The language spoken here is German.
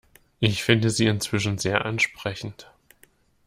Ich finde sie inzwischen sehr ansprechend.